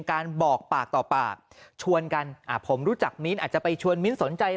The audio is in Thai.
การบอกปากต่อปากชวนกันผมรู้จักมิ้นท์อาจจะไปชวนมิ้นสนใจ